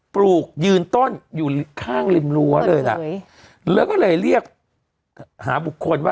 ปลูกยืนต้นอยู่ข้างริมรั้วเลยล่ะแล้วก็เลยเรียกหาบุคคลว่า